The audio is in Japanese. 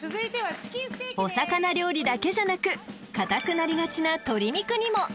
［お魚料理だけじゃなく硬くなりがちな鶏肉にも］